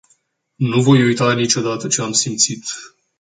Nu voi uita niciodată ce am simțit.